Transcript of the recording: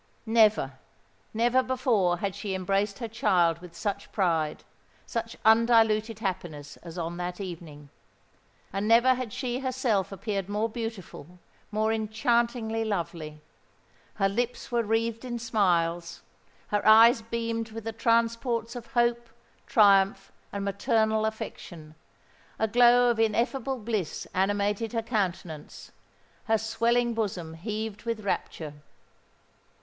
Never—never before had she embraced her child with such pride—such undiluted happiness as on that evening. And never had she herself appeared more beautiful—more enchantingly lovely! Her lips were wreathed in smiles—her eyes beamed with the transports of hope, triumph, and maternal affection—a glow of ineffable bliss animated her countenance—her swelling bosom heaved with rapture.